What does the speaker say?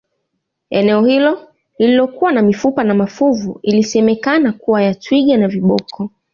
eneo hilo lililokuwa na mifupa na mafuvu ilisemekana kuwa ya twiga na viboko